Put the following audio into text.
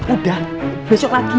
udah besok lagi